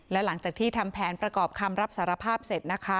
และหลังจากที่ทำแผนประกอบคำรับสารภาพเสร็จนะคะ